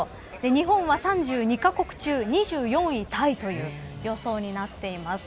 日本は３２カ国中２４位タイという予想になっています。